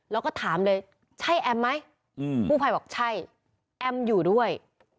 แล้วก็ถามเลยใช่แอมไหมกู้ภัยบอกใช่แอมอยู่ด้วย